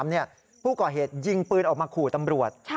จนกระทั่งตี๓ผู้ก่อเหตุยิงปืนออกมาขู่ตำรวจ